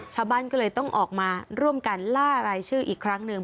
ชาวบ้านก็เลยต้องออกมาร่วมกันล่ารายชื่ออีกครั้งหนึ่ง